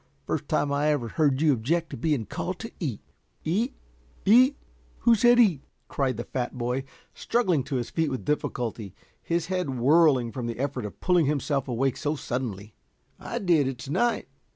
First time I ever heard you object to being called to eat." "Eat? Eat? Who said eat?" cried the fat boy, struggling to his feet with difficulty, his head whirling from the effort of pulling himself awake so suddenly. "I did. It's night."